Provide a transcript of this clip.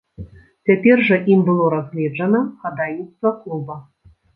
Цяпер жа ім было разгледжана хадайніцтва клуба.